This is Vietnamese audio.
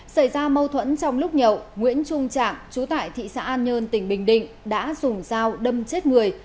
xảy ra mâu thuẫn trong lúc nhậu nguyễn trung trạng chú tại thị xã an nhơn tỉnh bình định đã dùng dao đâm chết người